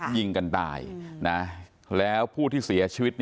ยิงกันตายแล้วผู้ที่เสียชีวิต